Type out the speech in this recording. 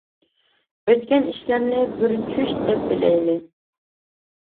ئۆتكەن ئىشلارنى بىر چۈش دەپ بىلەيلى.